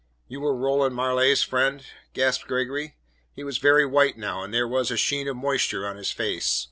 "You were Roland Marleigh's friend?" gasped Gregory. He was very white now, and there was a sheen of moisture on his face.